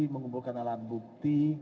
mengumpulkan alat bukti